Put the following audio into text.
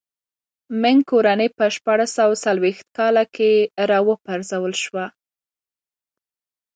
مینګ کورنۍ په شپاړس سوه څلوېښت کاله کې را و پرځول شوه.